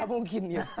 oh gak mungkin ya